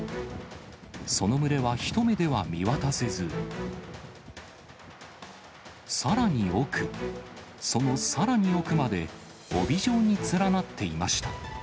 その群れは一目では見渡せず、さらに奥、そのさらに奥まで、帯状に連なっていました。